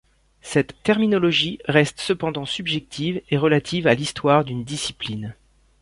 Cette terminologie reste cependant subjective et relative à l'histoire d'une discipline.